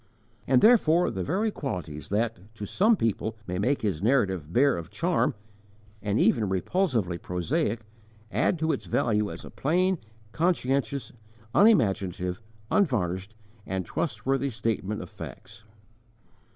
And therefore the very qualities that, to some people, may make his narrative bare of charm, and even repulsively prosaic, add to its value as a plain, conscientious, unimaginative, unvarnished, and trustworthy statement of facts.